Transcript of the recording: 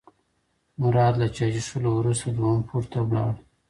مراد له چای څښلو وروسته دویم پوړ ته لاړ.